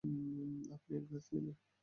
আপনি এক-গ্লাস নিবেন?